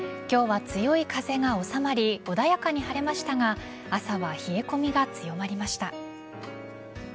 今日は強い風が収まり穏やかに晴れましたが朝は冷え込みが強まりました。